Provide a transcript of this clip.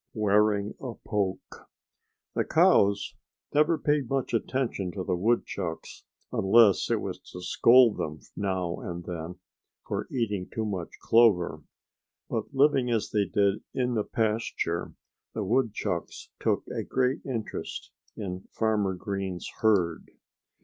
IX WEARING A POKE The cows never paid much attention to the woodchucks, unless it was to scold them now and then for eating too much clover. But living as they did in the pasture, the woodchucks took a great interest in Farmer Green's herd.